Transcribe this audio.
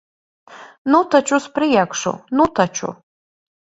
Nu taču, uz priekšu. Nu taču!